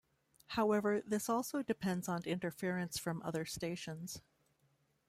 However, this also depends on interference from other stations.